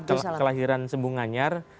abdussalam kelahiran sembunganyar